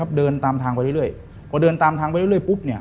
พอเดินตามทางไปเรื่อยปุ๊บ